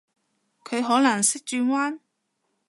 佢可能識轉彎？